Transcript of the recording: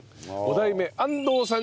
代目安藤さん